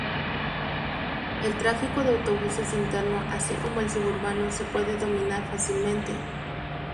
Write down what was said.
El tráfico de autobuses interno así como el suburbano se puede dominar fácilmente.